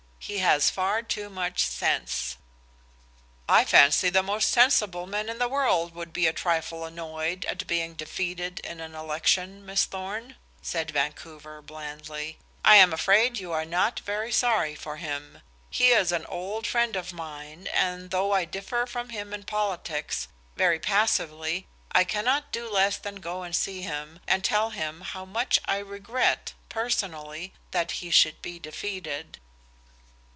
He has far too much sense." "I fancy the most sensible man in the world would be a trifle annoyed at being defeated in an election, Miss Thorn," said Vancouver blandly. "I am afraid you are not very sorry for him. He is an old friend of mine, and though I differ from him in politics, very passively, I cannot do less than go and see him, and tell him how much I regret, personally, that he should be defeated."